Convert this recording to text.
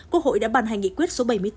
quốc hội đã bàn hành nghị quyết số bảy mươi bốn